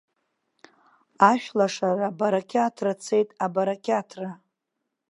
Ашәлашара абарақьаҭра цеит, абарақьаҭра!